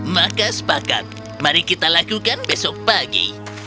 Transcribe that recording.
maka sepakat mari kita lakukan besok pagi